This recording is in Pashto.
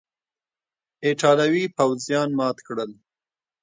ایټالوي پوځیان مات کړل.